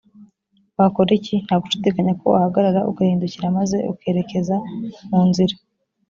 wakora iki nta gushidikanya ko wahagarara ugahindukira maze ukerekeza mu nzira